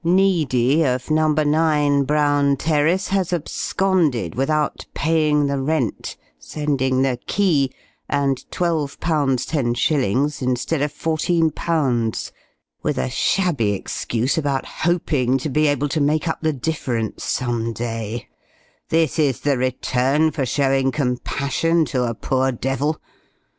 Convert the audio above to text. Needy, of No. 9, Brown Terrace, has absconded without paying the rent sending the key, and £12. 10_s._, instead of £14., with a shabby excuse about hoping to be able to make up the difference some day: this is the return for showing compassion to a poor devil!